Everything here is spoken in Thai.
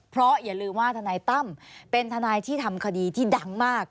เพราะอย่าลืมว่าทนายตั้มเป็นทนายที่ทำคดีที่ดังมาก